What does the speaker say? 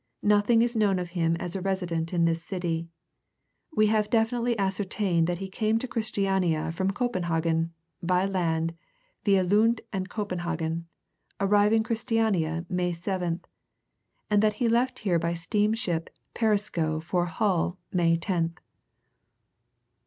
Nothing is known of him as a resident in this city. We have definitely ascertained that he came to Christiania from Copenhagen, by land, via Lund and Copenhagen, arriving Christiania May 7th, and that he left here by steamship Perisco for Hull, May 10th."